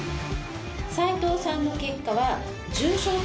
斉藤さんの結果は。